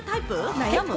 悩む？